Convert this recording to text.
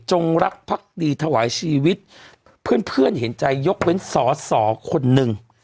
รักพักดีถวายชีวิตเพื่อนเพื่อนเห็นใจยกเว้นสอสอคนหนึ่ง